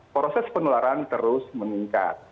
proses penularan terus meningkat